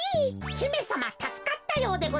ひめさまたすかったようでございますね。